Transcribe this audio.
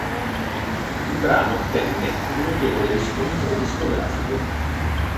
Il brano ottenne un notevole riscontro discografico.